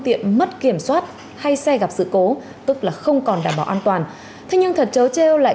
tiện mất kiểm soát hay xe gặp sự cố tức là không còn đảm bảo an toàn thế nhưng thật trở trêu lại